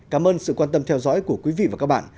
cảm ơn sự quan tâm theo dõi của quý vị và các bạn